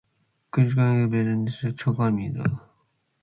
cunabi bednush chonuadbono